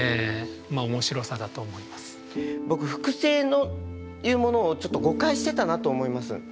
僕複製というものをちょっと誤解してたなと思います。